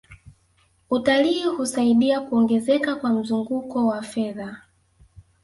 utalii husaidia kuongezeka kwa mzunguko wa fedha